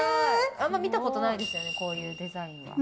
あまり見たことないですよねこういうデザイン。